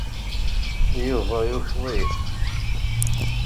Yuba yukeḍ-ik.